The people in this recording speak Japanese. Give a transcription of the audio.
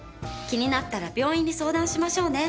気になったら病院に相談しましょうね。